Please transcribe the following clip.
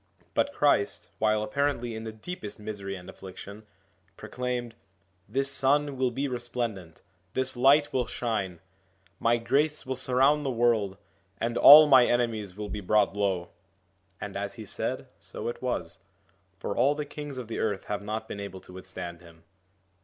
But Christ, while apparently in the deepest misery and affliction, proclaimed :' This Sun will be resplendent, this Light will shine, my grace will surround the world, and all my enemies will be brought low.' And as he said, so it was: for all the kings of the earth have not been able to withstand him.